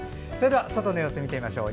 外の様子見てみましょう。